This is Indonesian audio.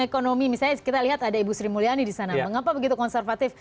ekonomi misalnya kita lihat ada ibu sri mulyani di sana mengapa begitu konservatif